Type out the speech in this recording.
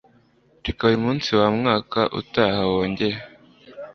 Reka buri munsi wumwaka utaha wongere